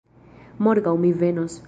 Morgaŭ mi venos.